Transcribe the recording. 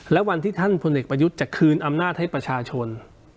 และวันที่ท่านพลเอกประยุทธ์จะคืนอำนาจให้ประชาชน